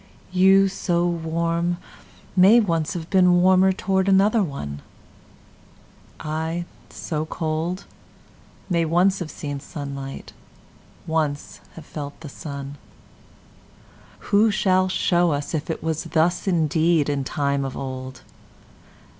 You, so warm, may once have beenWarmer towards another one:I, so cold, may once have seenSunlight, once have felt the sun:Who shall show us if it wasThus indeed in time of old?